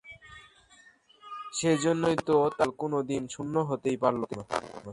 সেইজন্যেই তো তাজমহল কোনোদিন শূন্য হতেই পারল না।